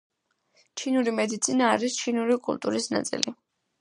ჩინური მედიცინა არის ჩინური კულტურის ნაწილი.